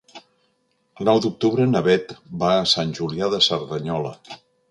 El nou d'octubre na Beth va a Sant Julià de Cerdanyola.